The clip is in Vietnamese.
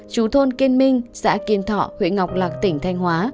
chú thôn kiên minh xã kiên thọ huyện ngọc lạc tỉnh thanh hóa